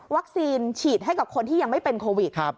ฉีดให้กับคนที่ยังไม่เป็นโควิด